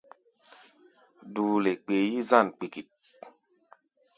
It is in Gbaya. Duule kpee yí-zân kpikit.